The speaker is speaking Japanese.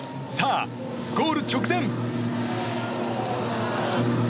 さあ、ゴール直前。